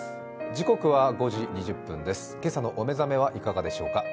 時刻は５時２０分です、今朝のお目覚めはいかがでしょうか。